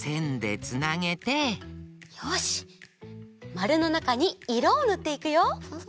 マルのなかにいろをぬっていくよ。